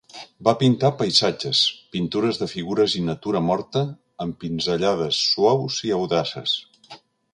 Va pintar paisatges, pintures de figures i natura morta amb pinzellades suaus i audaces.